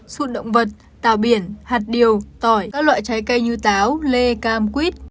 sụn động vật tàu biển hạt điều tỏi các loại trái cây như táo lê cam quýt